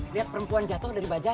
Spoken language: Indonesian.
lihat perempuan jatuh dari baja